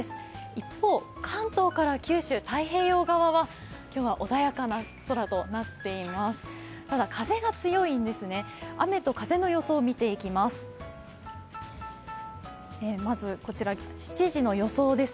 一方、関東から九州、太平洋側は今日は穏やかな空となっています。